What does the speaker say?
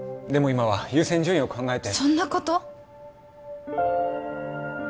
今は優先順位を考えてそんなこと？